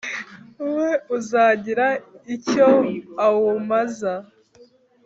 We uzagira icyo awumaza!